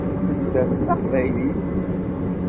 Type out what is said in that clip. Nettat d taqbaylit.